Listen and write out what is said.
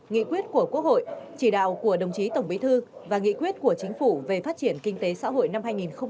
nghị quyết của quốc hội chỉ đạo của đồng chí tổng bí thư và nghị quyết của chính phủ về phát triển kinh tế xã hội năm hai nghìn hai mươi